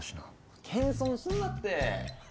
謙遜すんなって。